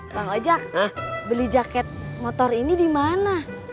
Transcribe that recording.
bang ojek beli jaket motor ini dimana